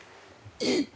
えっ！